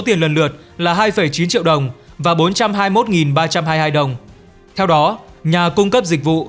số tiền lần lượt là hai chín triệu đồng và bốn trăm hai mươi một ba trăm hai mươi hai đồng theo đó nhà cung cấp dịch vụ